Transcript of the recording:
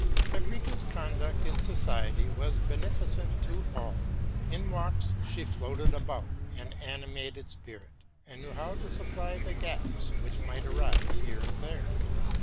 Frederica's conduct in society was beneficent to all. In walks, she floated about, an animating spirit, and knew how to supply the gaps which might arise here and there.